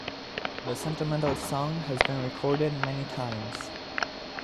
The sentimental song has been recorded many times.